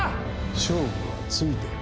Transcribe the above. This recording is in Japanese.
勝負はついてる。